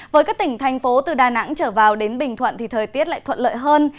với các tỉnh thành phố từ đà nẵng trở vào đến bình thuận thì thời tiết lại thuận lợi hơn